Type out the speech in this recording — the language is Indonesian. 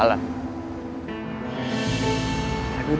silahkan dibeli harganya murah murah